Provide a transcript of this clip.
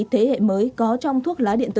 thế hệ mới có trong thuốc lá điện tử